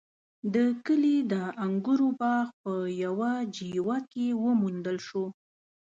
د کلي د انګورو باغ په يوه جیوه کې وموندل شو.